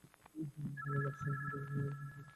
ভালোই লাগছে, আমি কি অস্বাভাবিক?